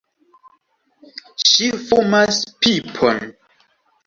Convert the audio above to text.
Ŝi fumas pipon!